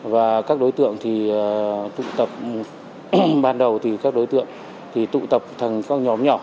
và các đối tượng thì tụ tập ban đầu thì các đối tượng tụ tập thành các nhóm nhỏ